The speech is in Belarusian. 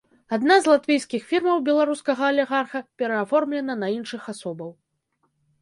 Адна з латвійскіх фірмаў беларускага алігарха перааформленая на іншых асобаў.